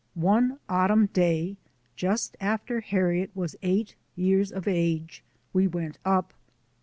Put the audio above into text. One autumn day, just after Harriet was eight years of age, we went up.